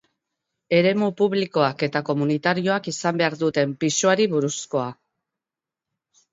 Eremu publikoak eta komunitarioak izan behar duten pisuari buruzkoa.